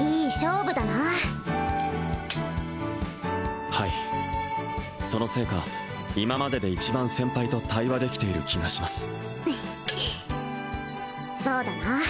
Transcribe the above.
いい勝負だなはいそのせいか今までで一番先輩と対話できている気がしますそうだな